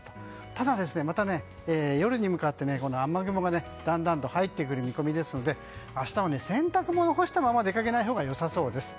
ただ、また夜に向かって雨雲がだんだん入ってくる見込みですので明日は洗濯物を干したまま出かけないほうがよさそうです。